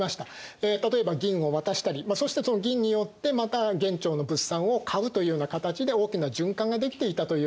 例えば銀を渡したりそしてその銀によってまた元朝の物産を買うというような形で大きな循環ができていたということになりますね。